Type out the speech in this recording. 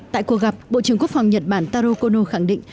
tại cuộc gặp bộ trưởng quốc phòng nhật bản taro kono khẳng định